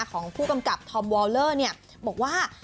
ของผู้กำกับธอมวอลเลอร์บอกว่า